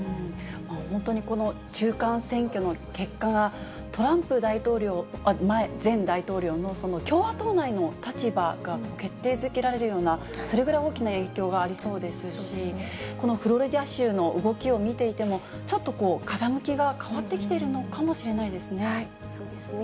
本当にこの中間選挙の結果がトランプ前大統領の共和党内の立場が決定づけられるような、それぐらい大きな影響がありそうですし、このフロリダ州の動きを見ていても、ちょっとこう、風向きが変わってきているのかもしれないですね。